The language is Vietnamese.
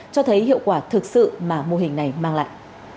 cho thấy hiệu quả thực sự mà mô hình này mang lại